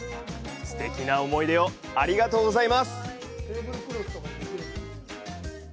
すてきな思い出をありがとうございます！